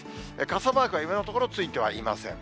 傘マークは今のところ、ついてはいません。